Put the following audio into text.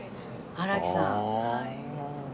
荒木さん。